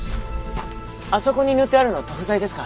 あそこに塗ってあるのは塗布剤ですか？